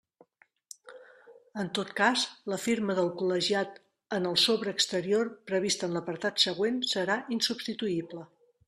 En tot cas, la firma del col·legiat en el sobre exterior prevista en l'apartat següent serà insubstituïble.